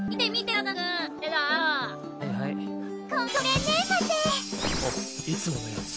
あっいつものやつ